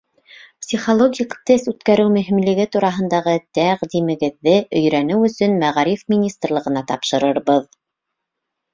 Психологик тест үткәреү мөһимлеге тураһындағы тәҡдимегеҙҙе өйрәнеү өсөн Мәғариф министрлығына тапшырырбыҙ.